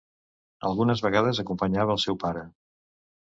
Algunes vegades, acompanyava el seu pare.